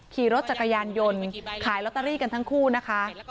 ขี่รถจักรยานยนต์ขายลอตเตอรี่กันทั้งคู่นะคะ